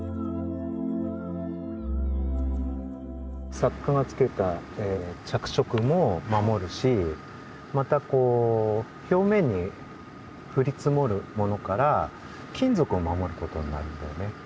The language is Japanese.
作家がつけた着色も守るしまたこう表面に降り積もるものから金属を守ることになるんだよね。